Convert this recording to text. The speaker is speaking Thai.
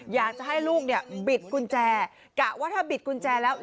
อยากจะให้ลูกเนี่ยบิดกุญแจกะว่าถ้าบิดกุญแจแล้ว